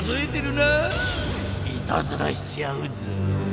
いたずらしちゃうぞ。